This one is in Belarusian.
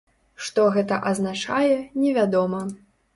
Што гэта азначае, невядома.